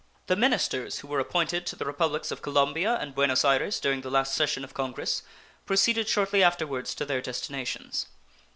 The ministers who were appointed to the Republics of Colombia and Buenos Ayres during the last session of Congress proceeded shortly afterwards to their destinations.